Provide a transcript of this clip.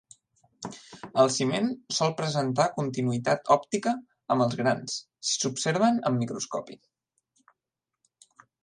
El ciment sol presentar continuïtat òptica amb els grans si s'observen amb microscopi.